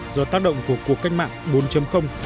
do tác động của cuộc cách mạng bốn